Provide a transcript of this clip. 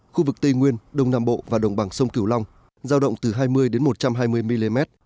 khu vực tây nguyên đông nam bộ và đồng bằng sông kiểu long giao động từ hai mươi một trăm hai mươi mm